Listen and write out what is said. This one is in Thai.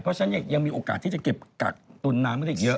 เพราะฉะนั้นยังมีโอกาสที่จะเก็บกักตุนน้ำก็ได้อีกเยอะ